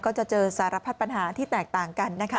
ก็จะเจอสารพัดปัญหาที่แตกต่างกันนะคะ